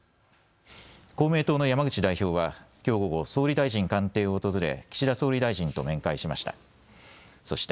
公明党の山口代表はきょう午後、総理大臣官邸を訪れ岸田総理大臣と面会しました。